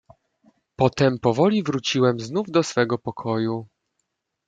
"Potem powoli wróciłem znów do swego pokoju."